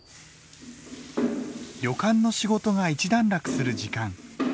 旅館の仕事が一段落する時間。